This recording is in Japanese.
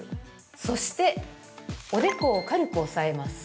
そして、おでこを軽く押さえます。